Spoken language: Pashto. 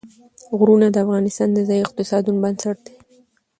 غرونه د افغانستان د ځایي اقتصادونو بنسټ دی.